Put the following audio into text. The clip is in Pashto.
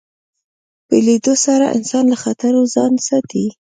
په لیدلو سره انسان له خطرو ځان ساتي